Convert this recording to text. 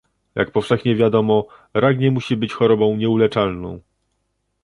Jak powszechnie wiadomo, rak nie musi być chorobą nieuleczalną